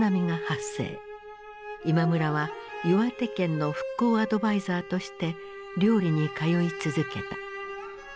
今村は岩手県の復興アドバイザーとして綾里に通い続けた。